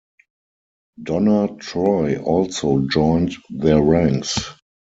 Donna Troy also joined their ranks.